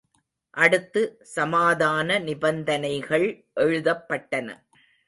அடுத்து சமாதான நிபந்தனைகள் எழுதப்பட்டன.